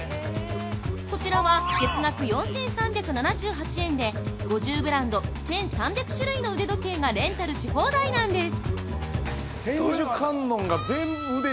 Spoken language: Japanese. こちらは、月額４３７８円で５０ブランド１３００種類の腕時計がレンタルし放題なんです。